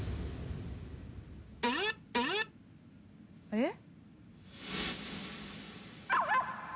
えっ？